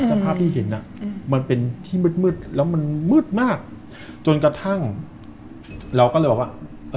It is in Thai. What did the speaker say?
สภาพที่เห็นอ่ะมันเป็นที่มืดมืดแล้วมันมืดมากจนกระทั่งเราก็เลยบอกว่าเอ่อ